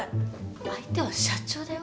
相手は社長だよ？